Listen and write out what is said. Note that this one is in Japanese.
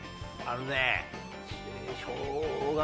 あのね。